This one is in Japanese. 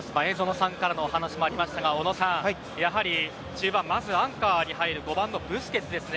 まず小野さんからのお話もありましたが、小野さんやはり中盤まずアンカーに入る５番のブスケツですね。